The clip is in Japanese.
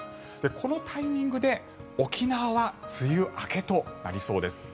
このタイミングで沖縄は梅雨明けとなりそうです。